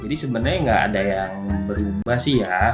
jadi sebenarnya enggak ada yang berubah sih ya